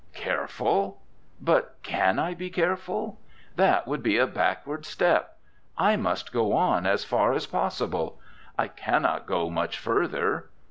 Careful? but can I be careful? That would be a backward step. I must go on as far as possible. I cannot go much further.